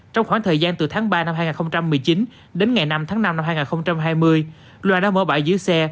trong khoảng thời gian từ tháng ba năm hai nghìn một mươi chín đến ngày năm tháng năm năm hai nghìn hai mươi loan đã mở bãi giữ xe